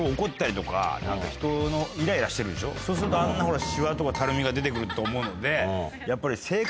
そうするとあんなシワとかたるみが出て来ると思うのでやっぱり。